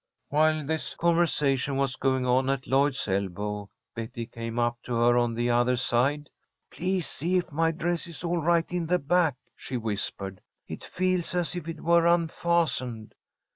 While this conversation was going on at Lloyd's elbow, Betty came up to her on the other side. "Please see if my dress is all right in the back," she whispered. "It feels as if it were unfastened."